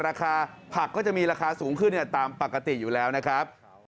ราคาผักก็จะมีราคาสูงขึ้นตามปกติอยู่แล้วนะครับ